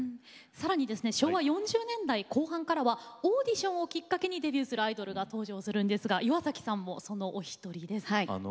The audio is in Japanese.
更にですね昭和４０年代後半からはオーディションをきっかけにデビューするアイドルが登場するんですが岩崎さんもそのお一人です。